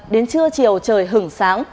đến trưa chiều trời hửng sáng